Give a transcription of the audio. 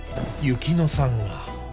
雪乃さんが。